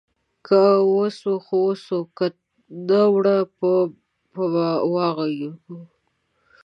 که وسوه خو وسوه ، که نه اوړه به په واغږو.